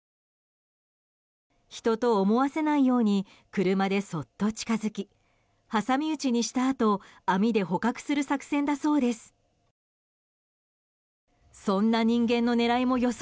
人と思わせないように車でそっと近づき挟み撃ちにしたあと網で捕獲する作戦だそうです。